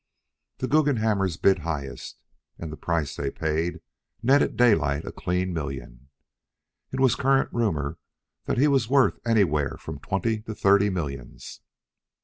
The Guggenhammers bid highest, and the price they paid netted Daylight a clean million. It was current rumor that he was worth anywhere from twenty to thirty millions.